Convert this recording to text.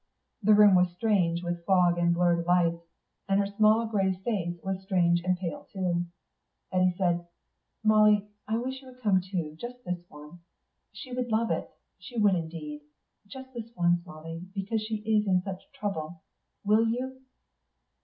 The room was strange with fog and blurred lights, and her small grave face was strange and pale too. Eddy said, "Molly, I wish you would come too, just this once. She would love it; she would indeed.... Just this once, Molly, because she's in such trouble. Will you?"